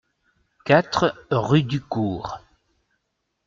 quatre rue Du Cours